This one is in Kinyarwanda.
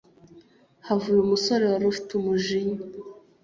havuye umusore warufite umujinya